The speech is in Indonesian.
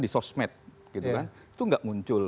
di sosmed gitu kan itu nggak muncul